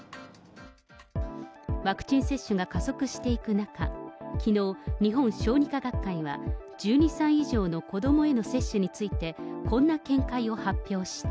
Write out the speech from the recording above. ワクチン接種が加速していく中、きのう、日本小児科学会は、１２歳以上の子どもへの接種について、こんな見解を発表した。